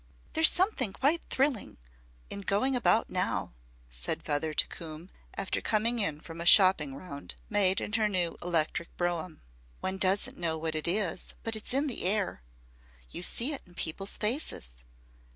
"There is something quite thrilling in going about now," said Feather to Coombe, after coming in from a shopping round, made in her new electric brougham. "One doesn't know what it is, but it's in the air. You see it in people's faces.